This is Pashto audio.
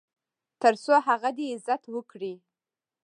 تر څو هغه دې عزت وکړي .